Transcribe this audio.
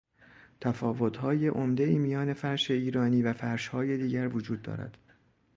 تفاوتهای عمدهای میان فرش ایرانی و فرشهای دیگر وجود دارد.